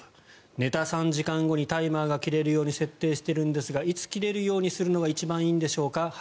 寝た３時間後にタイマーが切れるように設定してるんですがいつ切れるようにするのが一番いいんでしょうか。